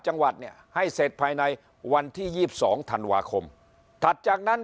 จังหวัดเนี่ยให้เสร็จภายในวันที่ยี่สิบสองธันวาคมถัดจากนั้น